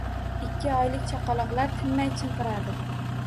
Ikki oylik chaqaloqlar tinmay chinqiradi